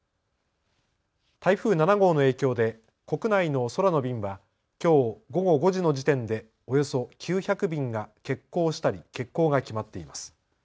台風７号の影響で国内の空の便はきょう午後５時の時点でおよそ９００便が欠航したり欠航が決まっています。